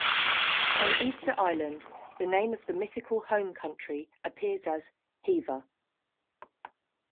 On Easter Island, the name of the mythical home country appears as "Hiva".